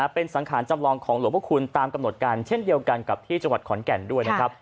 เป็นสังขารจำลองของหลวงพระคุณตามกำหนดการเช่นเดียวกันกับที่จังหวัดขอนแก่นด้วยนะครับ